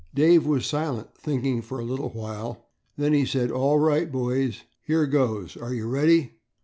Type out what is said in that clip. Dave was silent, thinking for a little while. Then he said, "All right boys, here goes. Are you ready?"